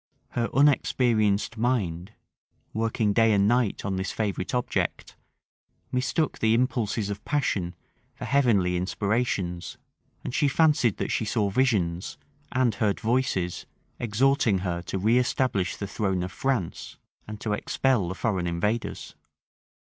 Her unexperienced mind, working day and night on this favorite object, mistook the impulses of passion for heavenly inspirations; and she fancied that she saw visions, and heard voices, exhorting her to reëstablish the throne of France, and to expel the foreign invaders.